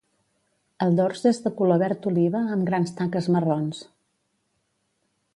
El dors és de color verd oliva amb grans taques marrons.